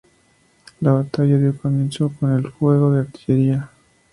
La batalla dio comienzo con el fuego de artillería.